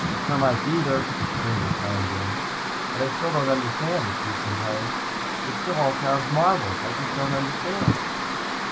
"Termites either," Pringle chimed in. "But I still don't understand," the Chief complained. "It still all sounds marvelous. I just don't understand."